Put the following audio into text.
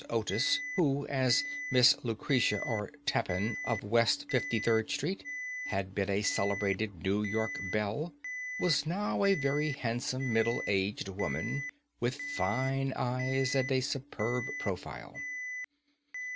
Otis, who, as Miss Lucretia R. Tappan, of West 53d Street, had been a celebrated New York belle, was now a very handsome, middle aged woman, with fine eyes, and a superb profile.